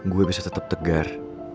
gue bisa tetep tegar